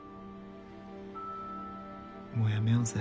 もうやめようぜ。